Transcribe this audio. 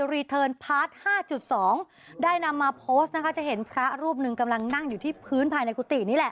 รีเทิร์นพาร์ท๕จุด๒ได้นำมาโพสต์นะคะจะเห็นพระรูปหนึ่งกำลังนั่งอยู่ที่พื้นภายในกุฏินี่แหละ